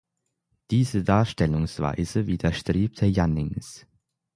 Diese Darstellungsweise widerstrebte Jannings.